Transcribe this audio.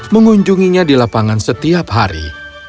mengunjunginya di lapangan setiap hari